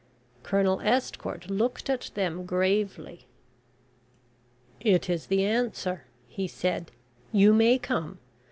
Colonel Estcourt looked at them gravely. "It is the answer," he said. "You may come.